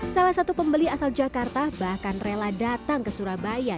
salah satu pembeli asal jakarta bahkan rela datang ke surabaya